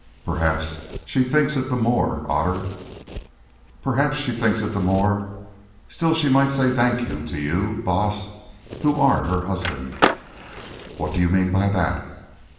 "Perhaps she thinks it the more, Otter." "Perhaps she thinks it the more. Still, she might say 'thank you' to you, Baas, who are her—husband." "What do you mean by that?"